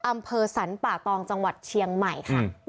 อำเภอสรรป่าตองจังหวัดเชียงใหม่ค่ะ